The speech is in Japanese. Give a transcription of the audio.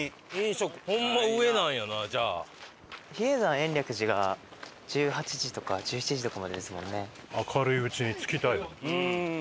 比叡山延暦寺が１８時とか１７時とかまでですもんね。